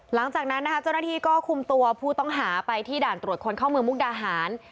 หลังจากนั้นนะคะเจ้าหน้าที่ก็คุมตัวผู้ต้องหาไปที่ด่านตรวจคนเข้าเมืองมุกดาหาร